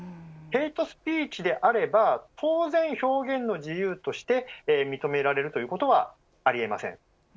ヘイトスピーチであれば当然、表現の自由として認められるということはありえません。